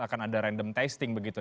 akan ada random testing begitu